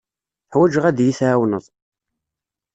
Ḥwajeɣ ad iyi-tɛawneḍ.